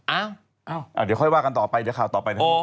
อ้าวอ้าวเดี๋ยวค่อยว่ากันต่อไปเดี๋ยวข่าวต่อไป